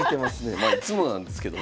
まあいっつもなんですけども。